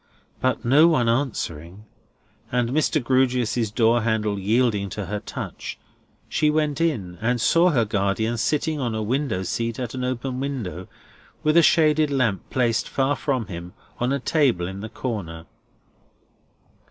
But no one answering, and Mr. Grewgious's door handle yielding to her touch, she went in, and saw her guardian sitting on a window seat at an open window, with a shaded lamp placed far from him on a table in a corner.